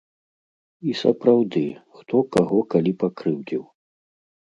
І сапраўды, хто каго калі пакрыўдзіў?